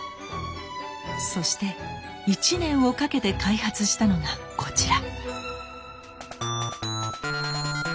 そして１年をかけて開発したのがこちら。